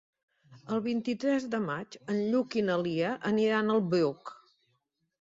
El vint-i-tres de maig en Lluc i na Lia aniran al Bruc.